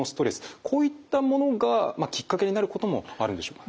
こういったものがきっかけになることもあるんでしょうか？